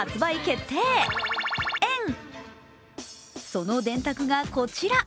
その電卓がこちら。